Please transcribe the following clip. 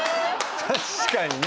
確かにね。